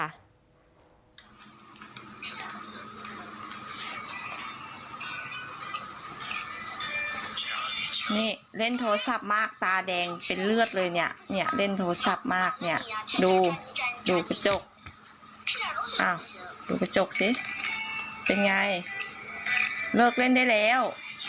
นี่เล่นโทรศัพท์มากตาแดงเป็นเลือดเลยเนี่ยเล่นโทรศัพท์มากเนี่ยดูดูกระจกอ้าวดูกระจกสิเป็นไงเลิกเล่นได้แล้ว